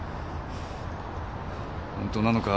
本当なのか？